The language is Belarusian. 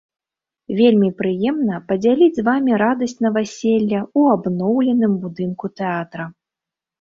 Вельмі прыемна падзяліць з вамі радасць наваселля ў абноўленым будынку тэатра.